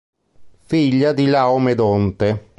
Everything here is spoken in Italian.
Figlia di Laomedonte.